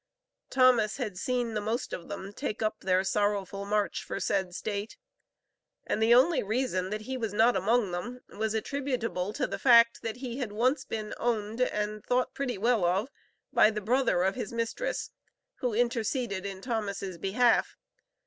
Thomas had seen the most of them take up their sorrowful march for said State, and the only reason that he was not among them, was attributable to the fact, that he had once been owned and thought pretty well of by the brother of his mistress, who interceded in Thomas' behalf.